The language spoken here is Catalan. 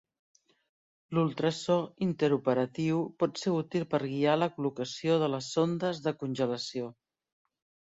L'ultrasò interoperatiu pot ser útil per guiar la col·locació de les sondes de congelació.